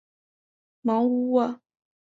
芒乌沃。